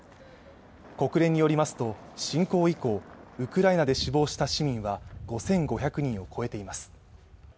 国連によりますと侵攻以降ウクライナで死亡した市民は５５００人を超えています